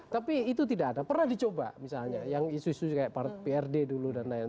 tapi itu tidak ada pernah dicoba misalnya yang isu isu kayak prd dulu dan lain lain